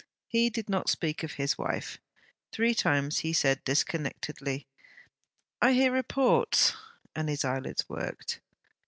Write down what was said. He did not speak of his wife. Three times he said disconnectedly, 'I hear reports,' and his eyelids worked.